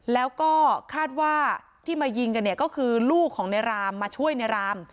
แล้วก็คาดว่าที่มายิงกันเนี่ยก็คือลูกของในรามมาช่วยในราม